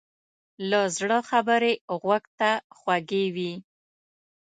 له زړه خبرې غوږ ته خوږې وي.